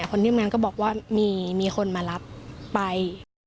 คนที่งานก็บอกว่ามีคนมารับไป